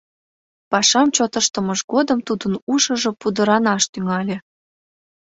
Пашам чот ыштымыж годым тудын ушыжо пудыранаш тӱҥале.